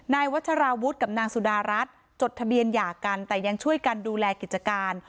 วัชราวุฒิกับนางสุดารัฐจดทะเบียนหย่ากันแต่ยังช่วยกันดูแลกิจการ